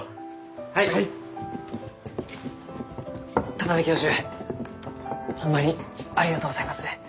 田邊教授ホンマにありがとうございます。